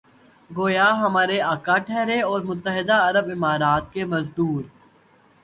گویا ہمارے آقا ٹھہرے اور متحدہ عرب امارات کے مزدور۔